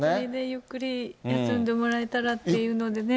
ゆっくり休んでもらえたらっていうのでね。